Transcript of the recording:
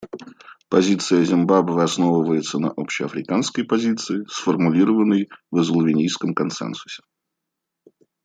Позиция Зимбабве основывается на общеафриканской позиции, сформулированной в Эзулвинийском консенсусе.